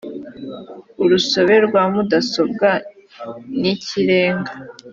urusobe rwa mudasobwa nikirenga